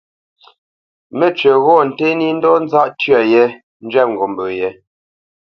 Mə́cywǐ ghɔ̂ nté nǐ ndɔ̌ nzáʼ tyə yé njwɛ̂p ngop yě.